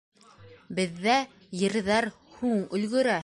Беҙҙә ерҙәр һуң өлгөрә.